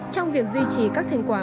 trong việc duy trì các thành quả